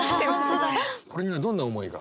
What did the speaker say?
これにはどんな思いが？